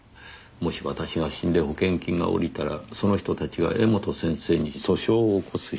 「もし私が死んで保険金が下りたらその人達が柄本先生に訴訟を起こす費用に当てて下さい」